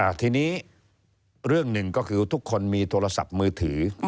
ทีนี้เรื่องหนึ่งก็คือทุกคนมีโทรศัพท์มือถือ